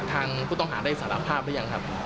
ทางผู้ต้องหาได้สารภาพหรือยังครับ